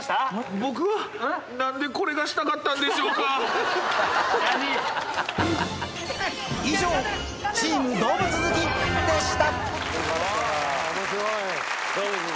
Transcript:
僕は、なんでこれがしたかっ以上、チーム動物好きでした。